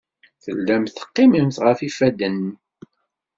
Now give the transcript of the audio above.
Tellamt teqqimemt ɣef yifadden.